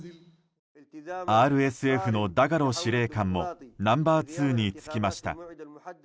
ＲＳＦのダガロ司令官もナンバー２に就きました。